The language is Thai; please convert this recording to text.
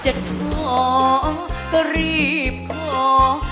ขอก็รีบขอ